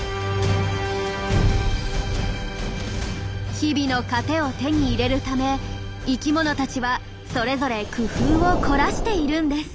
日々の糧を手に入れるため生きものたちはそれぞれ工夫を凝らしているんです。